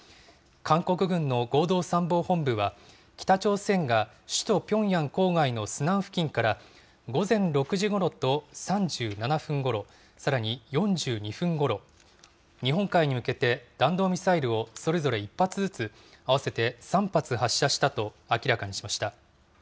韓国軍の合同参謀本部は、北朝鮮が首都ピョンヤン郊外のスナン付近から、午前６時ごろと３７分ごろ、さらに４２分ごろ、日本海に向けて弾道ミサイルをそれぞれ１発ずつ、合わせて３発発射したと明らかにしました。